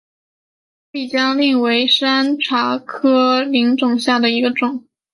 丽江柃为山茶科柃木属下的一个种。